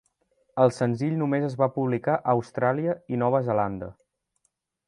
El senzill només es va publicar a Austràlia i Nova Zelanda.